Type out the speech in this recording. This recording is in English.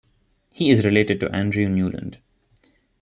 He is related to Andrew Newland.